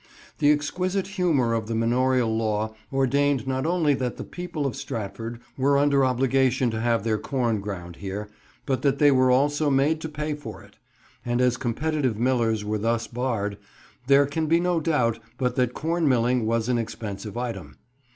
The exquisite humour of the manorial law ordained not only that the people of Stratford were under obligation to have their corn ground here, but that they were also made to pay for it. And as competitive millers were thus barred, there can be no doubt but that corn milling was an expensive item.